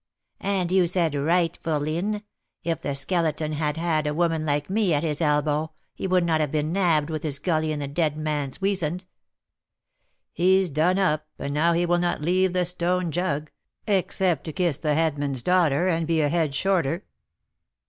'" "And you said right, fourline; if the Skeleton had had a woman like me at his elbow, he would not have been nabbed with his gully in the dead man's weasand." "He's done up, and now he will not leave the 'stone jug,' except to kiss the headsman's daughter, and be a head shorter."